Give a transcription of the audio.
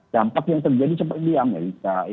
dampak yang terjadi seperti di amerika